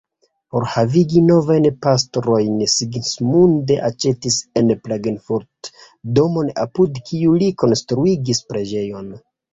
Por havigi novajn pastrojn Sigismund aĉetis en Klagenfurt domon apud kiu li konstruigis preĝejon.